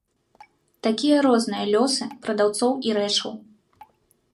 Такія розныя лёсы прадаўцоў і рэчаў.